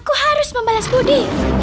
aku harus membalas budi